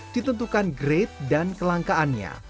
ditentukan grade dan kelangkaannya